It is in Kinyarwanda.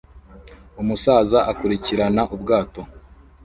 Umusaza akurikirana ubwato